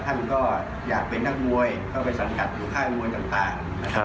ท่านก็อยากเป็นนักมวยเข้าไปสังกัดอยู่ค่ายมวยต่างนะครับ